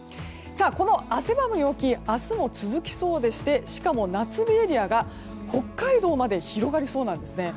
この汗ばむ陽気明日も続きそうでしてしかも、夏日エリアが北海道まで広がりそうなんです。